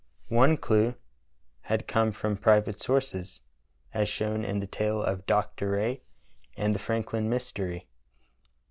One clew had come from private sources, as shown in the tale of "Dr. Rae and the Franklin Mystery."